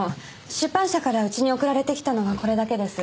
出版社からうちに送られてきたのはこれだけです。